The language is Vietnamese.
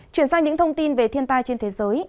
chuyển sang những thông tin về thiên tai trên thế giới